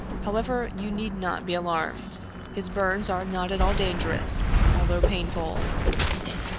However, you need not be alarmed; his bums are not at all dangerous, although painful."